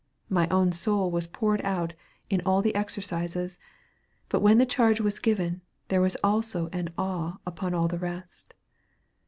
My own soul was poured out in all the exercises; but when the charge was given, there was also an awe upon all the rest.